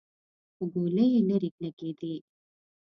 خو ګولۍ يې ليرې لګېدې.